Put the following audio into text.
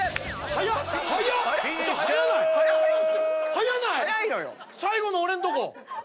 早ない⁉最後の俺んとこ。